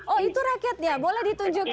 oh itu rakyatnya boleh ditunjukkan